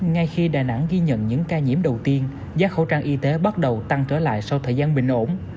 ngay khi đà nẵng ghi nhận những ca nhiễm đầu tiên giá khẩu trang y tế bắt đầu tăng trở lại sau thời gian bình ổn